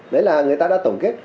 đấy là người ta đã tổng kết